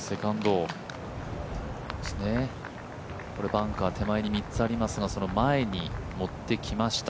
バンカー手前に３つありますが、その前にもっていきました。